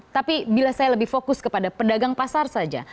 tapi bila saya lebih fokus kepada pedagang pasar saja